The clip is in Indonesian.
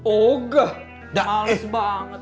oh gah malas banget